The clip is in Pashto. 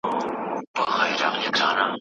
دغه کوچنی دونه ښه دی چي هر وخت خاندي.